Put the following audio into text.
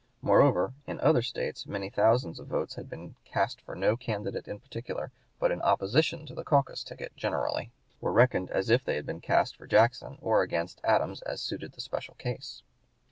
Moreover, in other States many thousands of votes which had been "cast for no candidate in particular, but in opposition to the caucus ticket generally," were reckoned as if they had been cast for Jackson or against Adams, as suited the especial case.